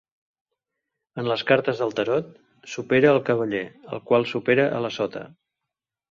En les cartes del tarot, supera al cavaller, el qual supera a la sota.